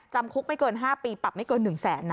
จำคุกไม่เกิน๕ปีปรับไม่เกิน๑แสนนะ